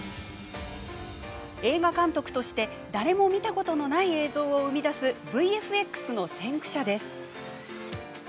映画監督として誰も見たことのない映像を生み出すＶＦＸの先駆者です。